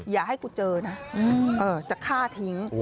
อย่าให้กูเจอนะจะฆ่าทิ้ง